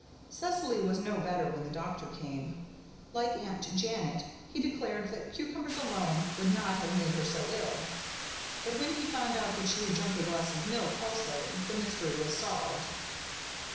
Cecily was no better when the doctor came. Like Aunt Janet, he declared that cucumbers alone would not have made her so ill; but when he found out that she had drunk a glass of milk also the mystery was solved.